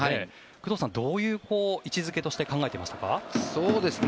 工藤さんはどういう位置付けとして考えていましたか？